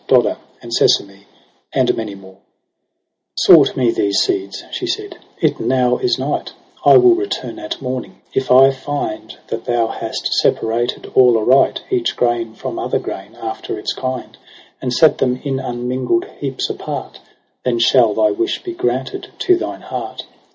Dodder, and sesame, and many more. NOVEMBER 17*) 30 ' Sort me these seeds ' she said ;' it now is night, I will return at morning ; if I find That thou hast separated all aright, Each grain from other grain after its kind, And set them in unmingl'd heaps apart, Then shall thy wish be granted to thine heart.'